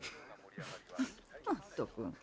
まったく。